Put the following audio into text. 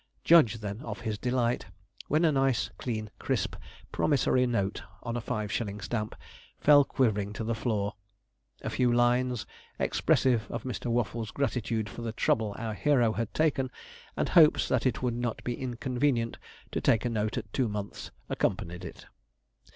Judge, then, of his delight, when a nice, clean, crisp promissory note, on a five shilling stamp, fell quivering to the floor. A few lines, expressive of Mr. Waffles' gratitude for the trouble our hero had taken, and hopes that it would not be inconvenient to take a note at two months, accompanied it.